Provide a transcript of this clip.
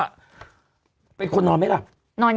อะเป็นคนนอนไม่หลับนอน